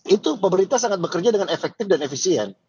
itu pemerintah sangat bekerja dengan efektif dan efisien